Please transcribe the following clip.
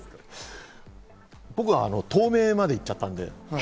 僕は透明まで行っちゃったんで。